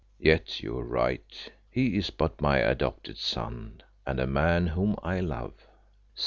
Yet you are right; he is but my adopted son, and a man whom I love."